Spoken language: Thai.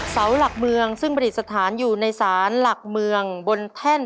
เสาหลักเมืองซึ่งประดิษฐานอยู่ในศาลหลักเมืองบนแท่น